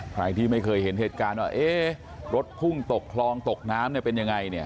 ใครที่ไม่เคยเห็นเหตุการณ์ว่าเอ๊ะรถพุ่งตกคลองตกน้ำเนี่ยเป็นยังไงเนี่ย